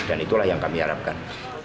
dan itulah yang kami harapkan